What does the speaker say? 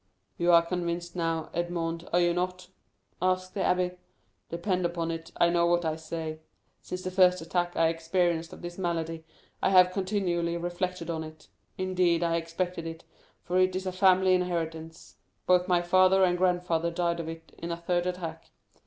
"You are convinced now, Edmond, are you not?" asked the abbé. "Depend upon it, I know what I say. Since the first attack I experienced of this malady, I have continually reflected on it. Indeed, I expected it, for it is a family inheritance; both my father and grandfather died of it in a third attack.